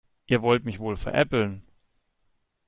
Ihr wollt mich wohl veräppeln.